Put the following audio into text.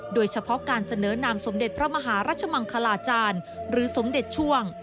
โดยเฉพาะการเสนอนามสมเด็จพระมหารัชมังคลาจารย์หรือสมเด็จช่วง